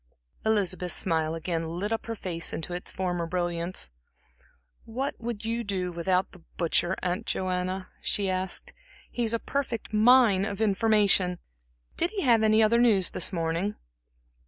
Elizabeth's smile again lit up her face into its former brilliance. "What would you do without the butcher, Aunt Joanna?" she asked. "He's a perfect mine of information. Did he have any other news this morning?"